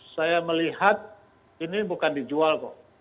saya melihat ini bukan dijual kok